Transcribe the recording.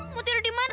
mau tidur di mana